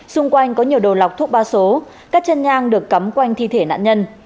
xung quanh có nhiều đồ lọc thuốc ba số các chân nhang được cắm quanh thi thể nạn nhân